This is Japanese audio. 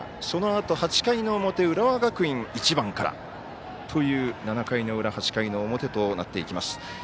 そのあと８回の表、浦和学院１番からという７回の裏、８回の表となっていきます。